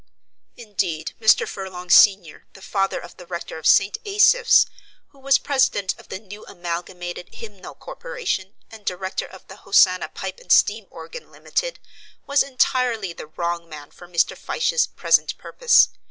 Indeed, Mr. Furlong, senior, the father of the rector of St. Asaph's, who was President of the New Amalgamated Hymnal Corporation, and Director of the Hosanna Pipe and Steam Organ, Limited, was entirely the wrong man for Mr. Fyshe's present purpose.